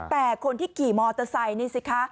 แต่คนที่ขี่มอเตอร์ไซค์นี่สิคะ